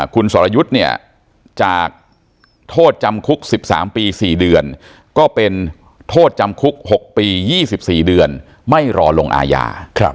คุณสรยุทธ์เนี่ยจากโทษจำคุก๑๓ปี๔เดือนก็เป็นโทษจำคุก๖ปี๒๔เดือนไม่รอลงอาญา